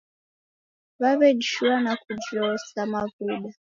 Waw'edishua na kujosa mavuda.